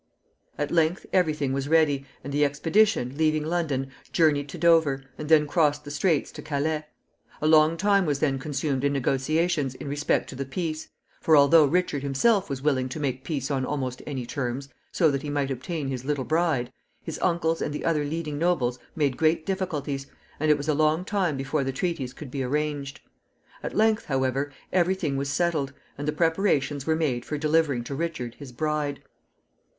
At length every thing was ready, and the expedition, leaving London, journeyed to Dover, and then crossed the Straits to Calais. A long time was then consumed in negotiations in respect to the peace; for, although Richard himself was willing to make peace on almost any terms, so that he might obtain his little bride, his uncles and the other leading nobles made great difficulties, and it was a long time before the treaties could be arranged. At length, however, every thing was settled, and the preparations were made for delivering to Richard his bride.